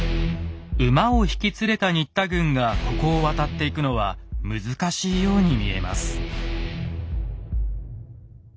馬を引き連れた新田軍がここを渡っていくのは難しいように見えます。